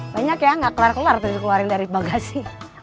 banyak ya gak keluar keluar terus dikeluarin dari bagasi